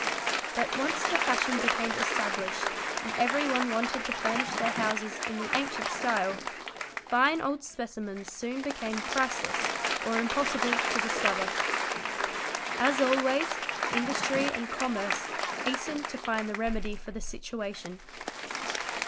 But once the fashion became established and everyone wanted — to furnish their houses in the ancient style, fine old specimens soon became — priceless or impossible to discover. As always, industry and commerce hastened to find the remedy for the situation.